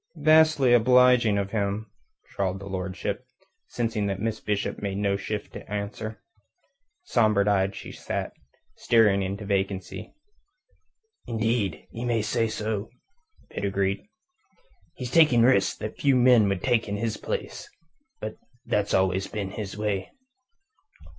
"Vastly obliging of him," drawled his lordship, seeing that Miss Bishop made no shift to answer. Sombre eyed she sat, staring into vacancy. "Indeed, ye may say so," Pitt agreed. "He's taking risks that few would take in his place. But that's always been his way."